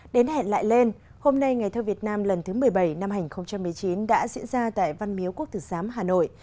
đến hẹn lại lên hôm nay ngày thơ việt nam lần thứ một mươi bảy năm hai nghìn một mươi chín đã diễn ra tại văn miếu quốc tử giám hà nội